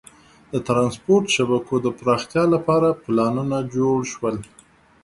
د ترانسپورت شبکو د پراختیا لپاره پلانونه جوړ شول.